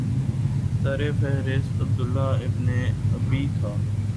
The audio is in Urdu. سر فہرست عبداللہ ابن ابی تھا